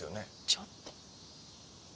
ちょっと。